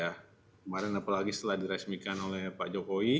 kemarin apalagi setelah diresmikan oleh pak jokowi